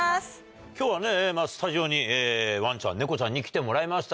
今日はスタジオにワンちゃんネコちゃんに来てもらいました。